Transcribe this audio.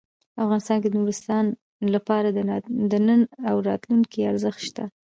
افغانستان کې د نورستان لپاره د نن او راتلونکي ارزښت شته.